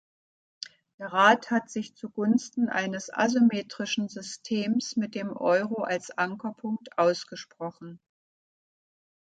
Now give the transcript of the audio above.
Der Rat hat sich zugunsten eines asymmetrischen Systems mit dem Euro als Ankerpunkt ausgesprochen.